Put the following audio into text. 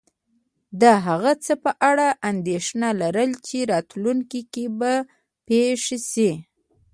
د هغه څه په اړه انېښنه لرل چی راتلونکي کې به پیښ شې